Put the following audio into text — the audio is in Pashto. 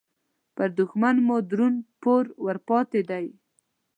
پر دوښمن مو درون پور ورپاتې دې